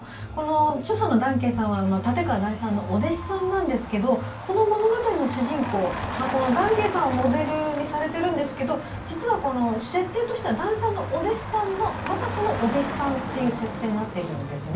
著者の談慶さんは立川談志さんのお弟子さんなんですがこの物語の主人公、談慶さんをモデルにされているんですけど実は、設定としては談志さんのお弟子さんのまたそのお弟子さんという設定になっているんですね。